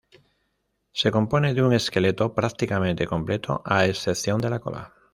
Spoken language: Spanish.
Se compone de un esqueleto prácticamente completo a excepción de la cola.